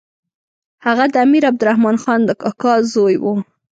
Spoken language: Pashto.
هغه د امیر عبدالرحمن خان د کاکا زوی وو.